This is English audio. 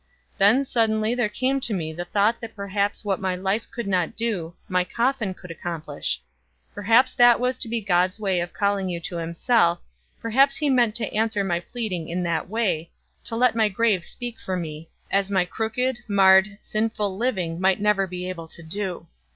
Then suddenly there came to me the thought that perhaps what my life could not do, my coffin would accomplish perhaps that was to be God's way of calling you to himself perhaps he meant to answer my pleading in that way, to let my grave speak for me, as my crooked, marred, sinful living might never be able to do.